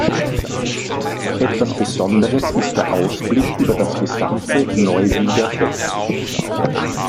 Etwas Besonderes ist der Ausblick über das gesamte Neuwieder Becken.